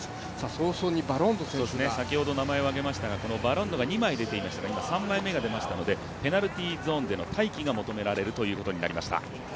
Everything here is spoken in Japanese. そうそうにバロンド選手が先ほど名前を挙げましたがこのバロンドが今、３枚目が出ましたのでペナルティゾーンでの待機が求められるということになりました。